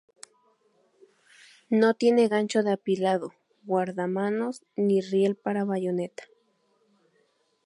No tiene gancho de apilado, guardamanos ni riel para bayoneta.